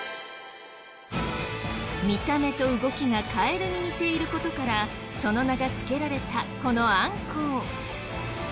見た目と動きがカエルに似ている事からその名が付けられたこのアンコウ。